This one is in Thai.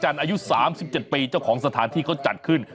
อายุ๓๗ปีเจ้าของสถานที่เขาจัดขึ้น